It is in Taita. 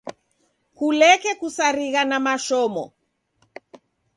Kuleke kusarigha na mashomo.